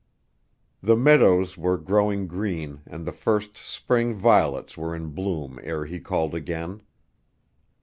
The meadows were growing green and the first spring violets were in bloom ere he called again.